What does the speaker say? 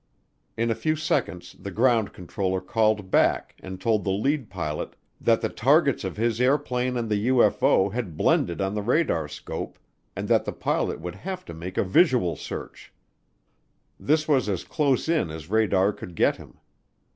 In a few seconds the ground controller called back and told the lead pilot that the targets of his airplane and the UFO had blended on the radar scope and that the pilot would have to make a visual search; this was as close in as radar could get him.